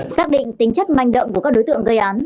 xác định tính chất manh động của các đối tượng gây án